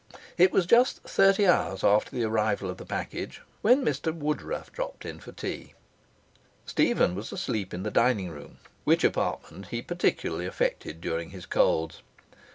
It was just thirty hours after the arrival of the package when Mr Woodruff dropped in for tea. Stephen was asleep in the dining room, which apartment he particularly affected during his colds.